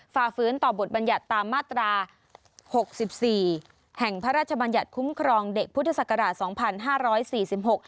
ฝาฟื้นต่อบทบรรยัตน์ตามมาตรา๖๔แห่งพระราชบรรยัตน์คุ้มครองเด็กพุทธศักราช๒๕๔๖